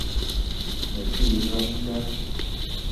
Me te yi llong nda